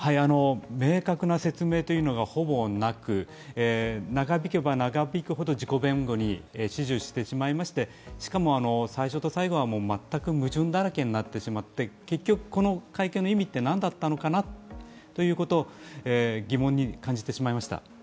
明確な説明がほぼなく、長引けば長引くほど自己弁護に終始してしまいまして最初と最後は全く矛盾だらけになってしまって結局、この会見の意味って何だったのかなということを疑問に感じてしまいました。